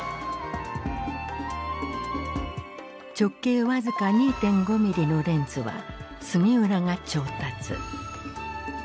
直径僅か２．５ミリのレンズは杉浦が調達。